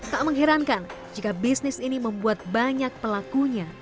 tak mengherankan jika bisnis ini membuat banyak pelakunya